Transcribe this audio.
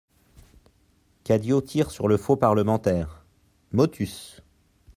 Cadio tire sur le faux parlementaire.) MOTUS.